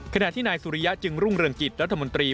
ขณะที่นายสุริยะจึงรุ่งเรืองกิจรัฐมนตรี